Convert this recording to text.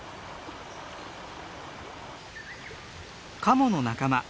カモの仲間